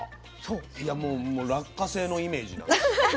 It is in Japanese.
いやもう落花生のイメージなんです。